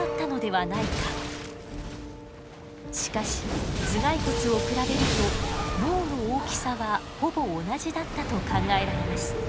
しかし頭蓋骨を比べると脳の大きさはほぼ同じだったと考えられます。